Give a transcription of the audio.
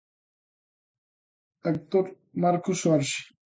Actor Marcos Orsi.